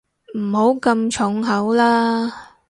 唔好咁重口啦